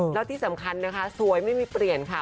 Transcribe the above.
แล้วที่สำคัญนะคะสวยไม่มีเปลี่ยนค่ะ